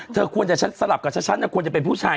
เธอควรจะฉันสลับกับฉันควรจะเป็นผู้ชาย